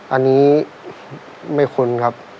อันนี้ไม่คุ้นครับ